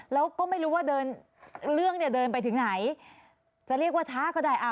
แล้วก็ไม่รู้ว่าเดินเรื่องเนี่ยเดินไปถึงไหนจะเรียกว่าช้าก็ได้